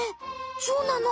そうなの？